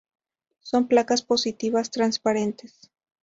Son placas positivas, transparentes.